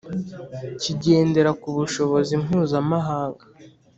kigendera kubushobozi mpuzamahanga.